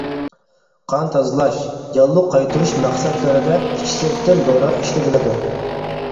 قان تازىلاش، ياللۇغ قايتۇرۇش مەقسەتلىرىدە ئىچى-سىرتىدىن دورا ئىشلىتىلىدۇ.